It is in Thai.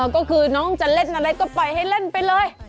ก็คือน้องจะเล่นอะไรก็ปล่อยให้เล่นไปเลย